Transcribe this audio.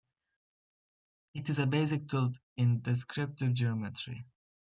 It is a basic tool in descriptive geometry.